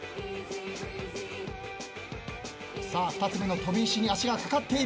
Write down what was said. ２つ目の飛び石に足がかかっている。